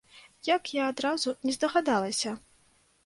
Як я адразу не здагадалася!?